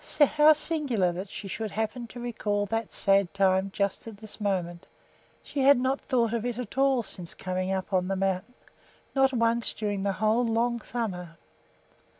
How singular that she should happen to recall that sad time just at this moment! She had not thought of it at all since coming up on the mountain, not once during the whole long summer.